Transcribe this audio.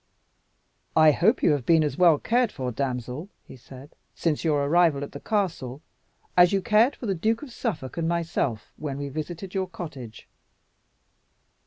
"I hope you have been as well cared for, damsel," he said, "since your arrival at the castle, as you cared for the Duke of Suffolk and myself when we visited your cottage?